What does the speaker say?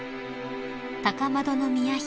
高円宮妃